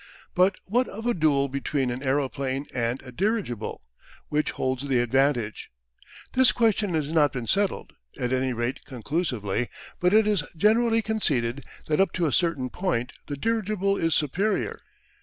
But what of a duel between an aeroplane and a dirigible? Which holds the advantage? This question has not been settled, at any rate conclusively, but it is generally conceded that up to a certain point the dirigible is superior.